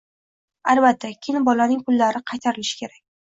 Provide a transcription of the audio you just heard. Albatta keyin bolaning pullari qaytarilishi kerak.